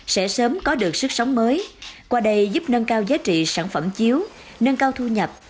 sẽ sớm có được sức sống mới qua đây giúp nâng cao giá trị sản phẩm chiếu nâng cao thu nhập